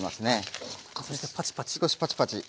そしてパチパチ。